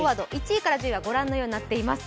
１位から１０位は御覧のようになっています。